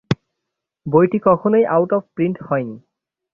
বইটি কখনই out of print হয়নি।